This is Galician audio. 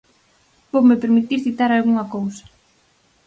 Voume permitir citar algunha cousa.